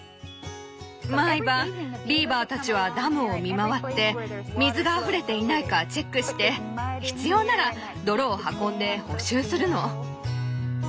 毎晩ビーバーたちはダムを見回って水があふれていないかチェックして必要なら泥を運んで補修するの。